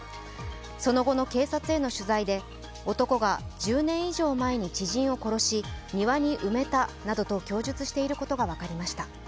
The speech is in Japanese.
その後の警察への取材で男が１０年以上前に知人を殺し庭に埋めたなどと供述していることが分かりました。